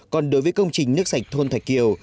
còn đối với công trình nước sạch thôn thạch triều